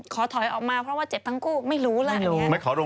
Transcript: ขอถอยออกมาเพราะว่าเจ็บทั้งกู่ไม่รู้ไม่รู้